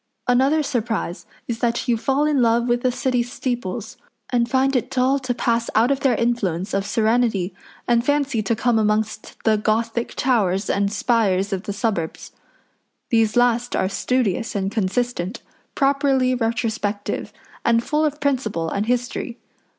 Another surprise is that you fall in love with the City steeples, and find it dull to pass out of their influence of serenity and fancy to come amongst the Gothic towers and spires of the suburbs. These last are studious and consistent, properly retrospective, and full of principle and history.